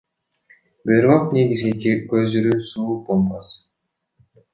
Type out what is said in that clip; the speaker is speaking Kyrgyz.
Бирок негизги көзүрү – суу помпасы.